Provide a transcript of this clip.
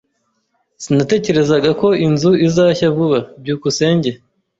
Sinatekerezaga ko inzu izashya vuba. byukusenge